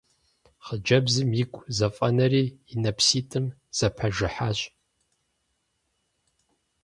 Хъыджэбзым игу зэфӏэнэри и нэпситӏым зэпажыхьащ.